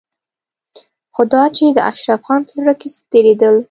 خو دا چې د اشرف خان په زړه کې څه تېرېدل.